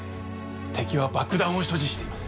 敵は爆弾を所持しています。